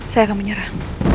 saya akan menyerah